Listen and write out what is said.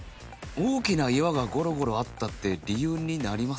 大きな岩がゴロゴロあったって理由になりますか？